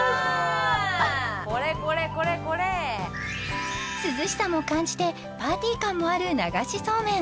これこれこれこれ涼しさも感じてパーティー感もある流しそうめん